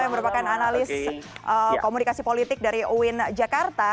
yang merupakan analis komunikasi politik dari uin jakarta